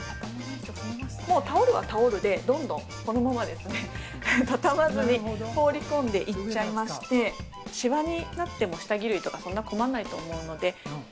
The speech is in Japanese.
もうタオルはタオルでどんどんこのままですね、畳まずに放り込んでいっちゃいまして、しわになっても下着類とか、そんな困んないと思うので。